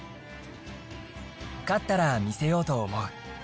勝ったら見せようと思う。